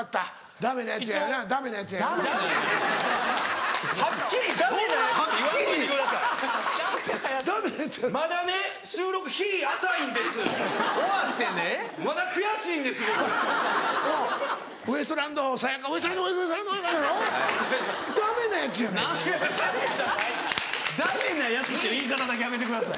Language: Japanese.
「ダメなやつ」っていう言い方だけやめてください。